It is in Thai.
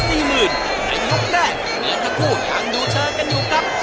ในยกแรกเหมือนทั้งคู่ยังดูเชิงกันอยู่ครับ